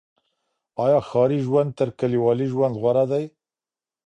آيا ښاري ژوند تر کليوالي ژوند غوره دی؟